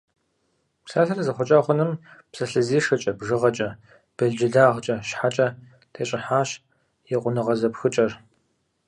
Псалъэр зэхъуэкӏа хъуным – псалъэзешэкӏэ, бжыгъэкӏэ, белджылагъкӏэ, щхьэкӏэ тещӏыхьащ екӏуныгъэ зэпхыкӏэр.